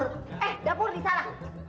eh dapur di sana